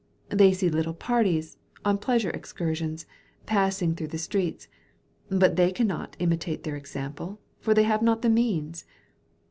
They see little parties, on pleasure excursions, passing through the streets; but they cannot imitate their example, for they have not the means.